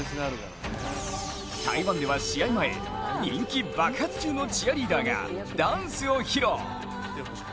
台湾では試合前、人気爆発中のチアリーダーがダンスを披露。